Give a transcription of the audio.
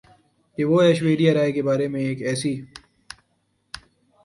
کہ وہ ایشوریا رائے کے بارے میں ایک ایسی